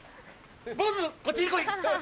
坊ずこっちに来い。